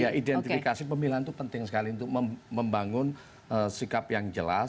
ya identifikasi pemilihan itu penting sekali untuk membangun sikap yang jelas